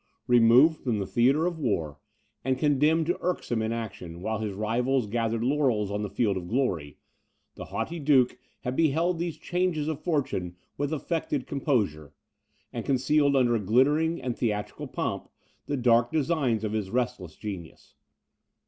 Removed from the theatre of war, and condemned to irksome inaction, while his rivals gathered laurels on the field of glory, the haughty duke had beheld these changes of fortune with affected composure, and concealed, under a glittering and theatrical pomp, the dark designs of his restless genius.